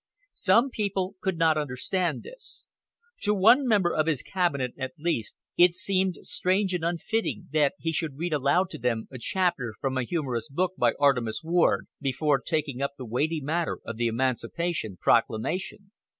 Some people could not understand this. To one member of his cabinet, at least, it seemed strange and unfitting that he should read aloud to them a chapter from a humorous book by Artemus Ward before taking up the weighty matter of the Emancipation Proclamation.